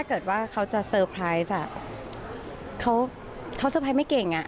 เขาเซอร์ไพรส์ไม่เก่งอ่ะ